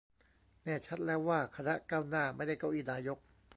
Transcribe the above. แน่ชัดแล้วว่า คณะก้าวหน้า ไม่ได้เก้าอี้นายก